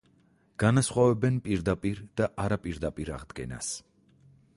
განასხვავებენ პირდაპირ და არაპირდაპირ აღდგენას.